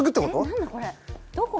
何だこれどこ？